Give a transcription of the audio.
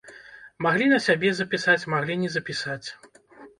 Маглі на сябе запісаць, маглі не запісаць.